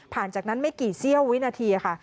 จากนั้นไม่กี่เสี้ยววินาทีค่ะ